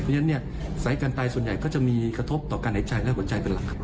เพราะฉะนั้นสายการตายส่วนใหญ่ก็จะมีกระทบต่อการหายใจและหัวใจเป็นหลักครับ